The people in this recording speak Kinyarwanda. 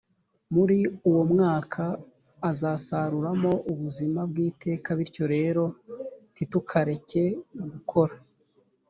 muri uwo mwuka azasaruramo ubuzima bw iteka bityo rero ntitukareke gukora